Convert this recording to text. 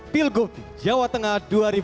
pilgub jawa tengah dua ribu delapan belas